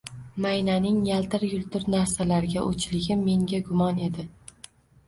Maynaning yaltir-yultir narsalarga oʻchligi menga gumon edi.